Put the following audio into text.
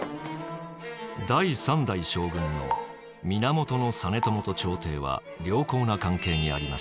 第三代将軍の源実朝と朝廷は良好な関係にありました。